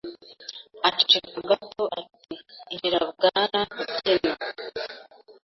Aceceka gato ati: "Injira, Bwana Mubyino".